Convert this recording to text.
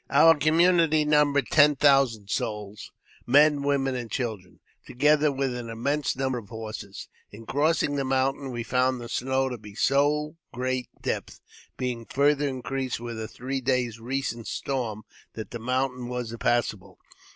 Our community numbered ten thousand souls — men, women, and children — together with an immense number of horses. In crossing the mountain, we found the snow to be of so great depth, being farther increased with a three days' recent storm, that the mountain was impassable.